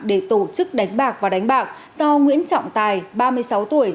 để tổ chức đánh bạc và đánh bạc do nguyễn trọng tài ba mươi sáu tuổi